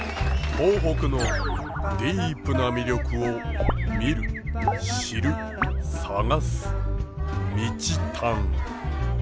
東北のディープな魅力を見る知る探す「みちたん」。